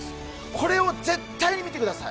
これを絶対に見てください。